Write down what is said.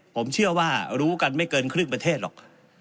ผมเชื่อว่ารู้กันไม่เกินครึ่งประเทศหรอก